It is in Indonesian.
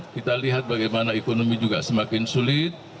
kita lihat bagaimana ekonomi juga semakin sulit